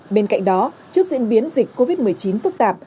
bên cạnh đó trước diễn biến dịch covid một mươi chín phức tạp